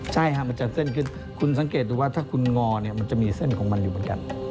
ใช่ค่ะมันจะเส้นขึ้นคุณสังเกตดูว่าถ้าคุณงอเนี่ยมันจะมีเส้นของมันอยู่เหมือนกัน